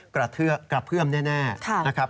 กระเพื่อมแน่นะครับ